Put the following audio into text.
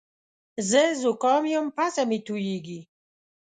زه زوکام یم پزه مې تویېږې